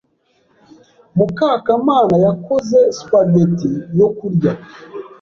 Mukakamana yakoze spaghetti yo kurya.